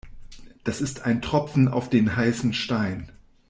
Das ist ein Tropfen auf den heißen Stein.